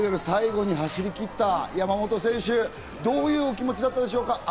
最後に走り切った山本選手、どういうお気持ちだったでしょうか？